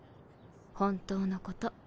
本当のこと。